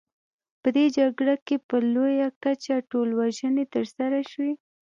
په دې جګړه کې په لویه کچه ټولوژنې ترسره شوې.